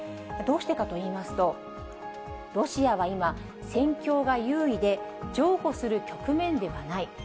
どうしてかといいますと、ロシアは今、戦況が優位で、譲歩する局面ではない。